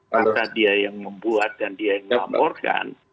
maka dia yang membuat dan dia yang melaporkan